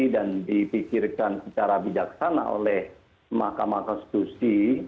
dan dipikirkan secara bijaksana oleh mahkamah konstitusi